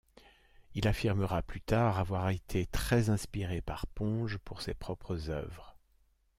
Il affirmera plus tard avoir été très inspiré par Ponge pour ses propres œuvres.